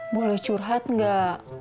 boleh curhat nggak